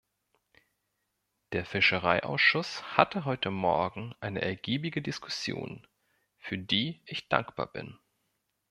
Der Fischereiausschuss hatte heute Morgen eine ergiebige Diskussion, für die ich dankbar bin.